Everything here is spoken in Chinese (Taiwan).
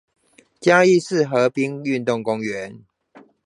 嘉義市河濱運動公園